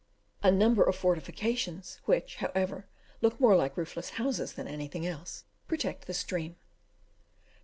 A number of fortifications, which, however, look more like roofless houses than anything else, protect the stream.